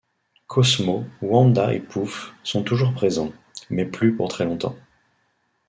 Cosmo, Wanda et Poof sont toujours présents... mais plus pour très longtemps.